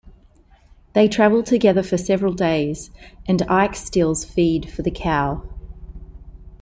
They travel together for several days, and Ike steals feed for the cow.